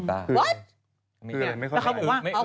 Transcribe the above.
แล้วเขาบอกว่า